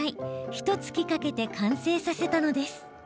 ひとつきかけて完成させたのです。